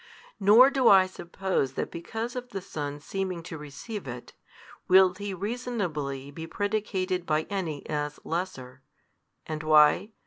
Nor do I suppose that because of the Son's seeming to receive it, will He reasonably be predicated by any as lesser: and why?